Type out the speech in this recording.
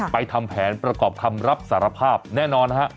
ทำแผนประกอบคำรับสารภาพแน่นอนนะฮะ